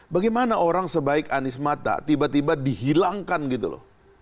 bagaimana orang sebaik anies mata tiba tiba dihilangkan gitu loh